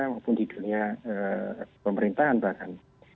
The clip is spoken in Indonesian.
maupun di dunia pemerintahan bahkan